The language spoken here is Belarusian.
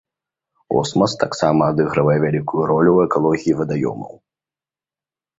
Осмас таксама адыгрывае вялікую ролю ў экалогіі вадаёмаў.